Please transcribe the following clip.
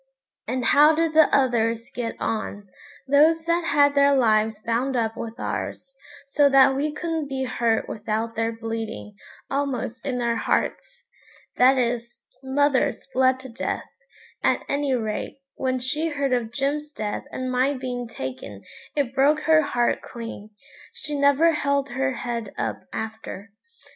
And how did the others get on, those that had their lives bound up with ours, so that we couldn't be hurt without their bleeding, almost in their hearts? that is, mother's bled to death, at any rate; when she heard of Jim's death and my being taken it broke her heart clean; she never held her head up after.